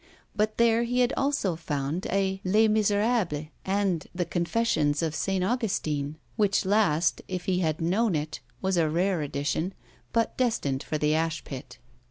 But there he had also found a Les Misirables and The Confessions of St. Augustine, which last, if he had known it, was a rare edition, but destined for the ash pit.